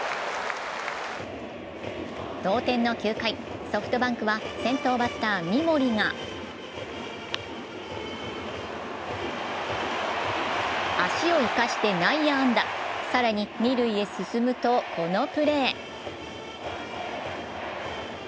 同点の９回、ソフトバンクは先頭バッター・三森が足を生かして内野安打、更に二塁へと進むとこのプレー。